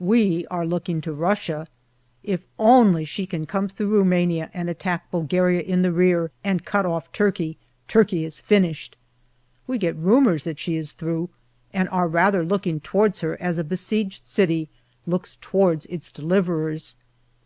We are looking to Russia. If only she can come through Rumania and attack Bulgaria in the rear and cut off Turkey, Turkey is finished. We get rumours that she is through, and are rather looking towards her as a besieged city looks towards its deliverers.